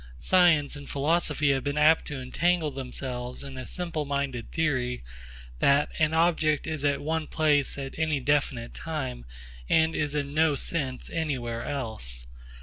Science and philosophy have been apt to entangle themselves in a simple minded theory that an object is at one place at any definite time, and is in no sense anywhere else.